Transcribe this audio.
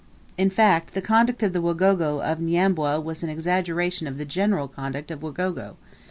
In fact, the conduct of the Wagogo of Nyambwa was an exaggeration of the general conduct of Wagogo.